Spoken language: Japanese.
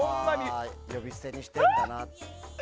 あー、呼び捨てにしてるんだなと。